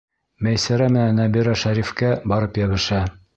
Мәйсәрә менән Нәбирә Шәрифкә барып йәбешә.